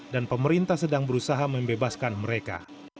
dan pemerintah sedang berusaha membebaskan mereka